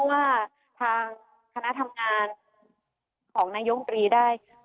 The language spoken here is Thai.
ว่าทางธนาฬิการของนายกได้